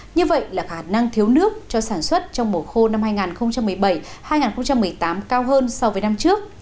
như vậy là khả năng thiếu nước cho sản xuất trong mùa khô năm hai nghìn một mươi bảy hai nghìn một mươi tám cao hơn so với năm trước